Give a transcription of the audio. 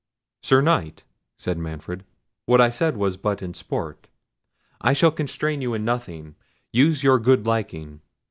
"Sir Knight," said Manfred, "what I said was but in sport. I shall constrain you in nothing: use your good liking.